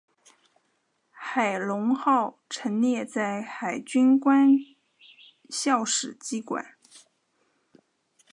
海龙号陈列在海军官校史绩馆。